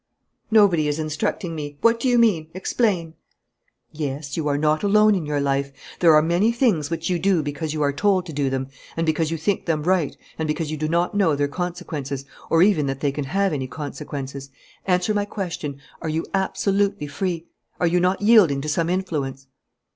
"Nobody is instructing me. What do you mean? Explain." "Yes, you are not alone in your life. There are many things which you do because you are told to do them and because you think them right and because you do not know their consequences or even that they can have any consequences. Answer my question: are you absolutely free? Are you not yielding to some influence?"